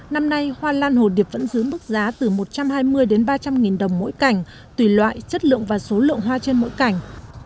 năm nay hoa lan hồ điệp vẫn giữ mức giá từ một trăm hai mươi đến ba trăm linh nghìn đồng mỗi cảnh tùy loại chất lượng và số lượng hoa trên mỗi cảnh